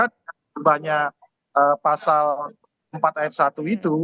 sebanyak pasal empat ayat satu itu